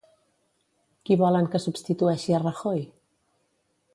Qui volen que substitueixi a Rajoy?